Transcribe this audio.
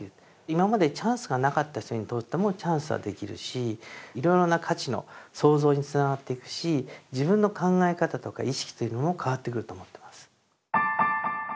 今までチャンスがなかった人にとってもチャンスはできるしいろいろな価値の創造につながっていくし自分の考え方とか意識というのも変わってくると思ってます。